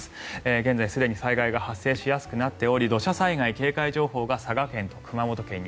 現在、すでに災害が発生しやすくなっており土砂災害警戒情報が佐賀県と熊本県に。